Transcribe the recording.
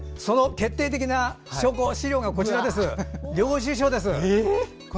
決定的な証拠資料がこちら、領収書です。